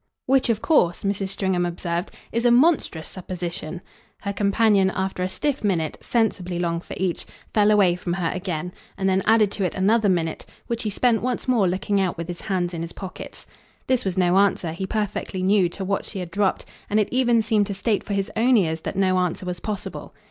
"Which of course," Mrs. Stringham observed, "is a monstrous supposition." Her companion, after a stiff minute sensibly long for each fell away from her again, and then added to it another minute, which he spent once more looking out with his hands in his pockets. This was no answer, he perfectly knew, to what she had dropped, and it even seemed to state for his own ears that no answer was possible.